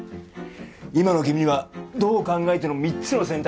今の君はどう考えても３つの選択肢しかない。